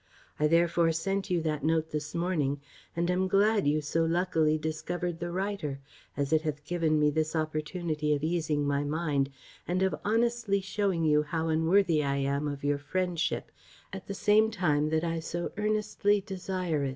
I therefore sent you that note this morning, and am glad you so luckily discovered the writer, as it hath given me this opportunity of easing my mind, and of honestly shewing you how unworthy I am of your friendship, at the same time that I so earnestly desire it."